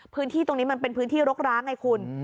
พื้นที่ตรงนี้มันเป็นพื้นที่รกร้างไงคุณ